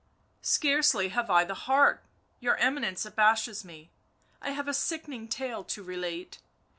" Scarcely have I the heart ... your Eminence abashes me, I have a sickening tale to relate